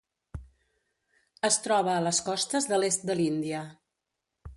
Es troba a les costes de l'est de l'Índia.